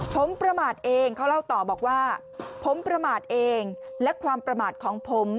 ผมประมาทเองเขาเล่าต่อบอกว่าผมประมาทเองและความประมาทของผม